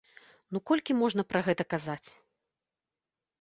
Ну колькі можна пра гэта казаць?